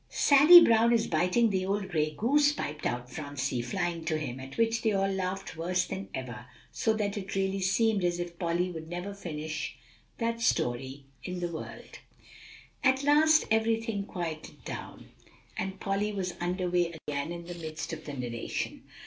"Sally Brown is biting the old gray goose," piped out Phronsie, flying to him, at which they all laughed worse than ever; so that it really seemed as if Polly never would finish that story in the world. [Illustration: Sally Brown and the old gray goose.] At last everything quieted down, and Polly was under way again in the midst of the narration.